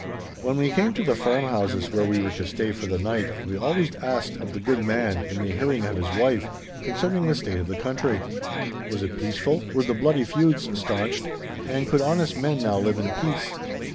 When we came to the farmhouses where we were to stay for the night, we always asked of the good man, in the hearing of his wife, concerning the state of the country. Was it peaceful? Were the bloody feuds staunched, and could honest men now live in peace?